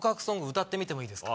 歌ってみてもいいですか？